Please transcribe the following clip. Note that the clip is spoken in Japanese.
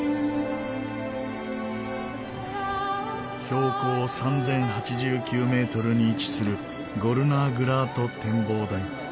標高３０８９メートルに位置するゴルナーグラート展望台。